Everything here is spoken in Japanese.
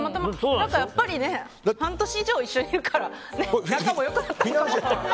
やっぱり半年以上一緒にいるから仲も良くなって。